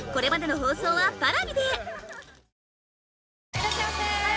いらっしゃいませ！